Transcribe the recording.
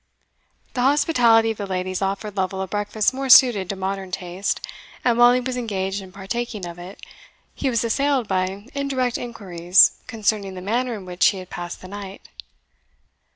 The hospitality of the ladies offered Lovel a breakfast more suited to modern taste, and while he was engaged in partaking of it, he was assailed by indirect inquiries concerning the manner in which he had passed the night.